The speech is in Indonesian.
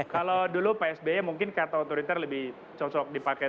kalau dulu pak sby mungkin kata otoriter lebih cocok dipakai